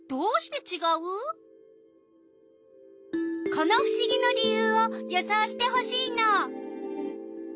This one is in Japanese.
このふしぎの理ゆうを予想してほしいの！